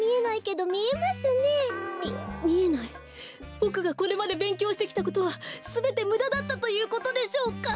ボクがこれまでべんきょうしてきたことはすべてむだだったということでしょうか？